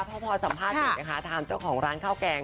พอสัมภาษณ์เสร็จนะคะทางเจ้าของร้านข้าวแกง